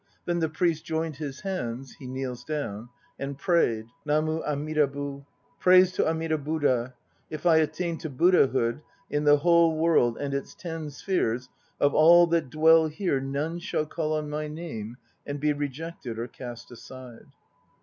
Then the priest joined his hands (he kneels down) and prayed: NAMU AMIDABU. Praise to Amida Buddha! "If I attain to Buddhahood, In the whole world and its ten spheres Of all that dwell here none shall call on my name And be rejected or cast aside."